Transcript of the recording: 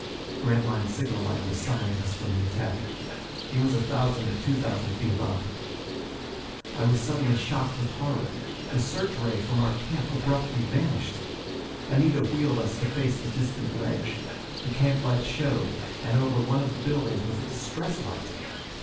Grantline's signal light was summoning us from the attack. He was a thousand or two thousand feet above. I was suddenly shocked with horror. The search ray from our camp abruptly vanished! Anita wheeled us to face the distant ledge. The camp lights showed, and over one of the buildings was a distress light!